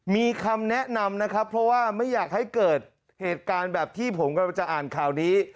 มีคำแนะนำนะครับเพราะว่าไม่อยากให้เกิดเหตุการณ์แบบที่ผมกำลังจะอ่านข่าวนี้